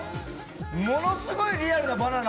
ものすごいリアルなバナナ。